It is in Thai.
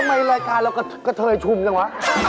รายการเรากระเทยชุมจังวะ